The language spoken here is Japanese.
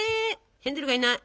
ヘンゼルがいない。